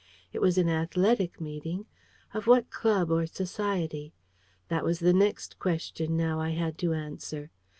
It was an athletic meeting. Of what club or society? That was the next question now I had to answer.